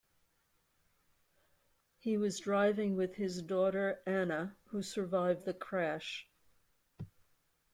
He was driving with his daughter Anna, who survived the crash.